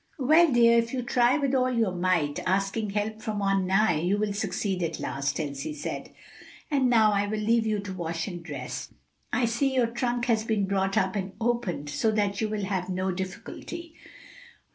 "Well, dear, if you try with all your might, asking help from on high, you will succeed at last," Elsie said. "And now I will leave you to wash and dress. I see your trunk has been brought up and opened, so that you will have no difficulty."